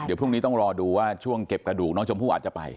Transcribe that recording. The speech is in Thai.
เดี๋ยวพรุ่งนี้ต้องรอดูว่าช่วงเก็บกระดูกน้องชมพู่อาจจะไป